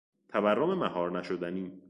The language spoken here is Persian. تورم مهار نشدنی